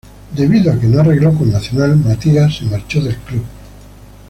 Debido a que no arregló con Nacional, Matías se marchó del club.